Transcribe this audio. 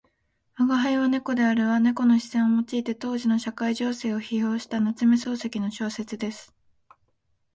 「吾輩は猫である」は猫の視線を用いて当時の社会情勢を批評した夏目漱石の小説です。